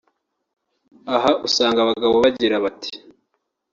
aha usanga abagabo bagira bati